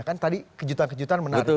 kan tadi kejutan kejutan menarik